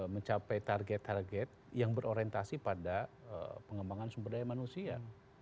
mencapai target target yang berorientasi pada pengembangan sumber daya manusia